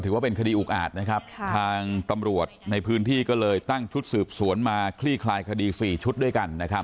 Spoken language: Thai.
ถือว่าเป็นคดีอุกอาจนะครับทางตำรวจในพื้นที่ก็เลยตั้งชุดสืบสวนมาคลี่คลายคดี๔ชุดด้วยกันนะครับ